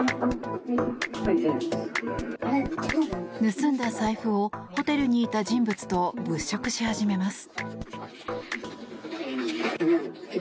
盗んだ財布をホテルにいた人物と物色し始めます。